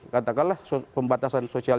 katakanlah pembatasan sosial